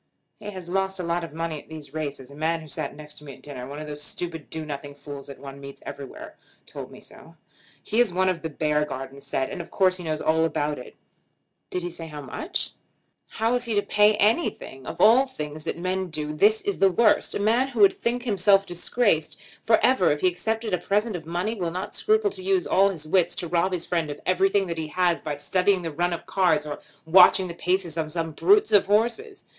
"He has lost a lot of money at these races. A man who sat next me at dinner, one of those stupid do nothing fools that one meets everywhere, told me so. He is one of the Beargarden set, and of course he knows all about it." "Did he say how much?" "How is he to pay anything? Of all things that men do this is the worst. A man who would think himself disgraced for ever if he accepted a present of money will not scruple to use all his wits to rob his friend of everything that he has by studying the run of cards or by watching the paces of some brutes of horses!